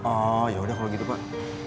oh ya udah kalau gitu pak